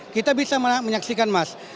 kita bisa menyaksikan mas